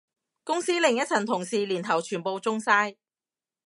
公司另一層同事年頭全部中晒